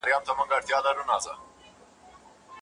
دعا ، دعا ، دعا ،دعا كومه